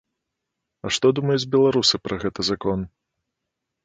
А што думаюць беларусы пра гэты закон?